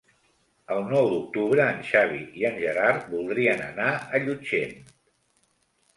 El nou d'octubre en Xavi i en Gerard voldrien anar a Llutxent.